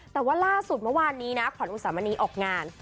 แต่ว่าล่าสุดเมื่อวานนี้นะขวัญอุสามณีออกงาน